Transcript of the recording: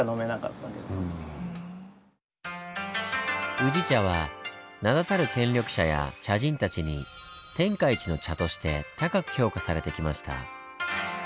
宇治茶は名だたる権力者や茶人たちに「天下一の茶」として高く評価されてきました。